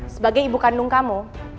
sebagai ibu kandung kamu